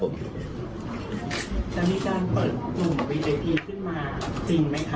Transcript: สน่ะปุ่นเชลี่ยว